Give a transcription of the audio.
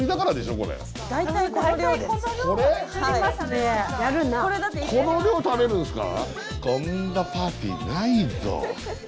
こんなパーティーないぞ。